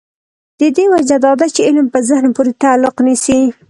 د دې وجه دا ده چې علم په ذهن پورې تعلق نیسي.